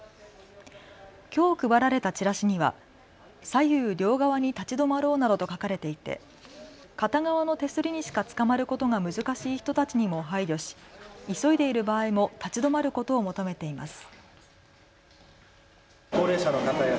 きょう配られたチラシには左右両側に立ち止まろうなどと書かれていて片側の手すりにしかつかまることが難しい人たちにも配慮し急いでいる場合も立ち止まることを求めています。